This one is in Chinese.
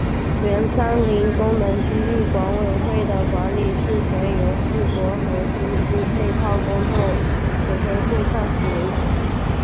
原三林功能区域管委会的管理事权由世博核心区配套工作指挥部暂时维持。